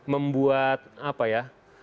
membuat apa ya